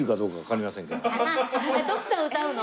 えっ徳さん歌うの？